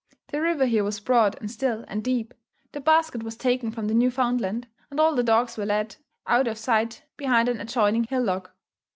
The river here was broad, and still, and deep. The basket was taken from the Newfoundland, and all the dogs were led out of sight behind an adjoining hillock.